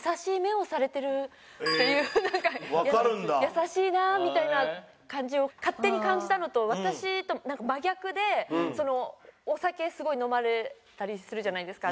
優しいなみたいな感じを勝手に感じたのと私と真逆でお酒すごい飲まれたりするじゃないですか。